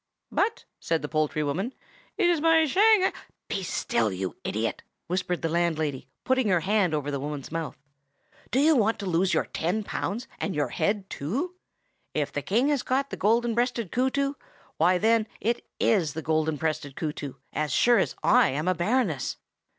"But," said the poultry woman, "it is my Shang—" "Be still, you idiot!" whispered the landlady, putting her hand over the woman's mouth. "Do you want to lose your ten pounds and your head too? If the King has caught the Golden breasted Kootoo, why, then it is the Golden breasted Kootoo, as sure as I am a baroness!"